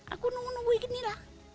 aku nunggu nungguin gini lah